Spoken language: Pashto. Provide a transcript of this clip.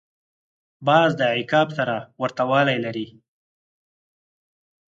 باز د عقاب سره ورته والی لري